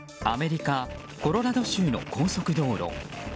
アメリカ・コロラド州の高速道路。